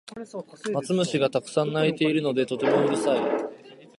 マツムシがたくさん鳴いているのでとてもうるさい